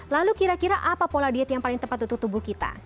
lalu kira kira apa pola diet yang paling tepat untuk tubuh kita